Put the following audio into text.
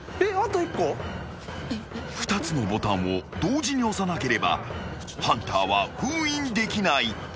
［２つのボタンを同時に押さなければハンターは封印できない］